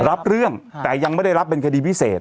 รับเรื่องแต่ยังไม่ได้รับเป็นคดีพิเศษ